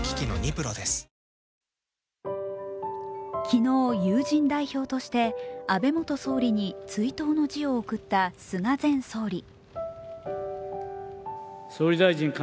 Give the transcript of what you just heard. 昨日、友人代表として安倍元総理に追悼の辞を送った菅前総理。